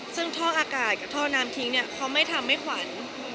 ซึ่งท่ออากาศกับท่อน้ำทิ้งเนี่ยเขาไม่ทำให้ขวัญ